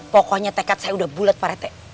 pokoknya tekad saya udah bulat parete